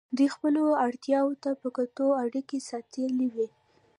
دوی خپلو اړتیاوو ته په کتو اړیکې ساتلې وې.